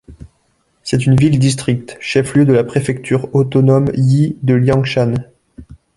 C'est une ville-district, chef-lieu de la préfecture autonome yi de Liangshan.